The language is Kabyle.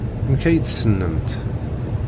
Amek ay tt-tessnemt?